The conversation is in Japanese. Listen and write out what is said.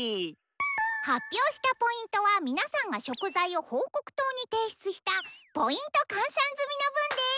発表したＰは皆さんが食材を報告筒に提出したＰ換算済みの分です！